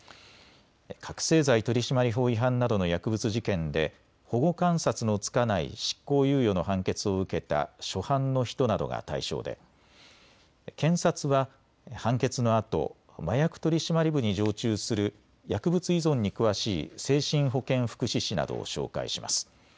覚醒剤取締法違反などの薬物事件で保護観察の付かない執行猶予の判決を受けた初犯の人などが対象で検察は判決のあと麻薬取締部に常駐する薬物依存に詳しい精神保健福祉士などを紹介します。